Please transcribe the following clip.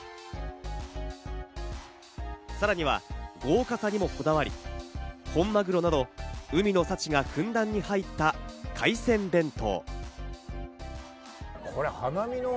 さらには豪華さにもこだわり、本マグロなど、海の幸がふんだんに入った海鮮弁当。